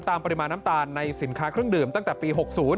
ปริมาณน้ำตาลในสินค้าเครื่องดื่มตั้งแต่ปี๖๐